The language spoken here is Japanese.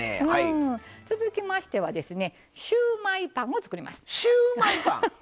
続きましてはシューマイパンを作ります。